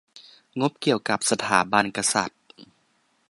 งบเกี่ยวกับสถาบันกษัตริย์